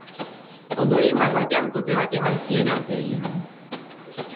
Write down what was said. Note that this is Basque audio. Ondoren, bat-batean, kolpe bat ematen zien aurpegian.